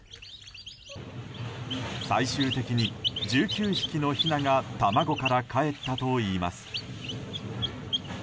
最終的に１９匹のひなが卵からかえったといいます。